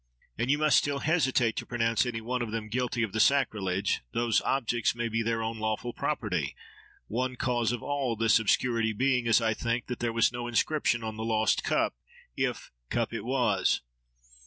And you must still hesitate to pronounce any one of them guilty of the sacrilege—those objects may be their own lawful property: one cause of all this obscurity being, as I think, that there was no inscription on the lost cup, if cup it was.